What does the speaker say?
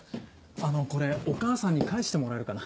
あのこれお母さんに返してもらえるかな。